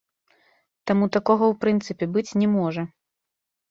Таму такога ў прынцыпе быць не можа.